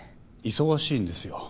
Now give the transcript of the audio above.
忙しいんですよ。